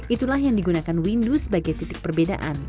itulah yang digunakan windu sebagai titik perbedaan